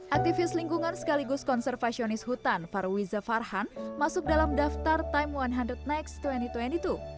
aktivis lingkungan sekaligus konservasionis hutan farwiza farhan masuk dalam daftar time seratus next dua ribu dua puluh dua